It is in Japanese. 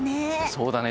そうだね。